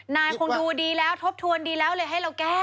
คงดูดีแล้วทบทวนดีแล้วเลยให้เราแก้